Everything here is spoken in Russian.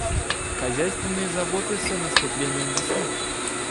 Хозяйственные заботы с наступлением весны.